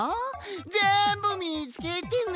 ぜんぶみつけてね。